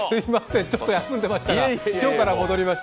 ちょっと休んでましたから今日から戻りました。